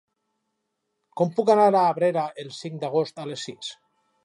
Com puc anar a Abrera el cinc d'agost a les sis?